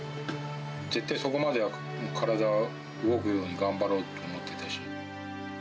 絶対そこまでは体動くように頑張ろうと思ってたし。